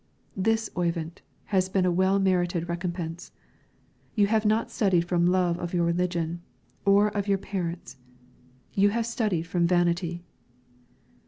"This, Oyvind, has been a well merited recompense. You have not studied from love of your religion, or of your parents; you have studied from vanity."